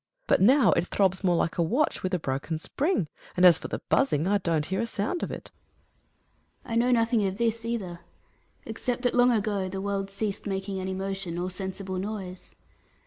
But now, it throbs more like a watch with a broken spring, and as for the buzzing, I don't hear a sound of it. Atlas. I know nothing of this either, except that long ago, the world ceased making any motion, or sensible noise.